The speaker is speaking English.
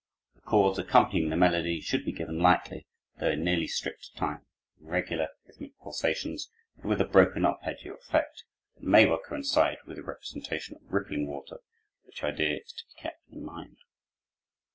The chords accompanying the melody should be given lightly, though in nearly strict time, in regular, rhythmic pulsations, but with a broken arpeggio effect, that may well coincide with the representation of rippling water, which idea is to be kept in mind.